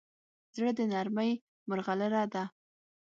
زړه د نرمۍ مرغلره ده.